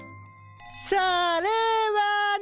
それはね。